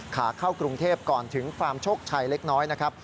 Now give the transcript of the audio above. ขาเข้ากรุงเทพก่อนถึงฟาร์มโชคชัยเล็กน้อยนะครับ